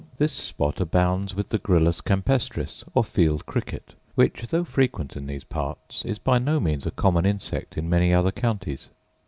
This spot abounds with the gryllus campestris, or field cricket; which, though frequent in these parts, is by no means a common insect in many other counties.